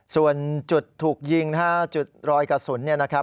ส่วนจุดถูกยิงนะฮะจุดรอยกระสุนเนี่ยนะครับ